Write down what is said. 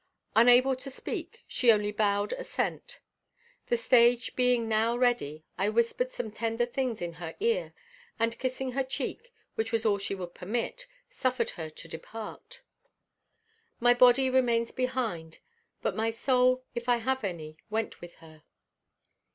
Unable to speak, she only bowed assent. The stage being now ready, I whispered some tender things in her ear, and kissing her cheek, which was all she would permit, suffered her to depart. My body remains behind; but my soul, if I have any, went with her.